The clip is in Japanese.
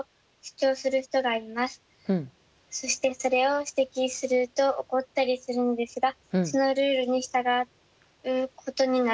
そしてそれを指摘すると怒ったりするんですがそのルールに従うことに納得できません。